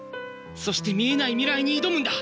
そして見えない未来に挑むんだ！